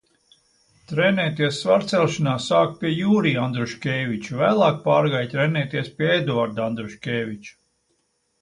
Trenēties svarcelšanā sāka pie Jurija Andruškēviča, vēlāk pārgāja trenēties pie Eduarda Andruškēviča.